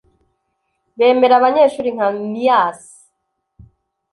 Bemera abanyeshuri nka myasi.